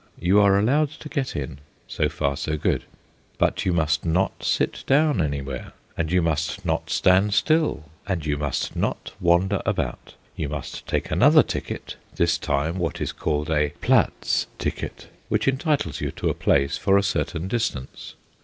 You are allowed to get in, so far so good. But you must not sit down anywhere, and you must not stand still, and you must not wander about. You must take another ticket, this time what is called a "platz ticket," which entitles you to a place for a certain distance.